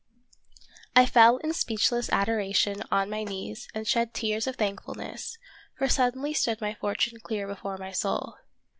I FELL in speechless adoration on my knees and shed tears of thankfulness, for suddenly stood my fortune clear before my soul.